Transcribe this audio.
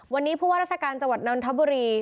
วันนี้ผู้ว่าราชการจังหวัดนนทบุรี